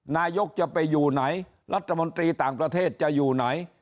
นายกจะไปอยู่ไหนรัฐมนตรีต่างประเทศจะอยู่ไหน